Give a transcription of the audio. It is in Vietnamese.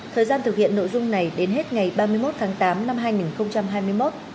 thời gian thực hiện nội dung này đến hết ngày ba mươi một tháng tám năm hai nghìn hai mươi một